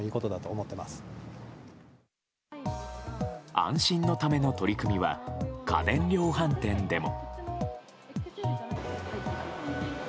安心のための取り組みは家電量販店でも。